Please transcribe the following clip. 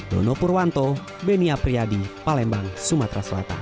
dono purwanto benia priadi palembang sumatera selatan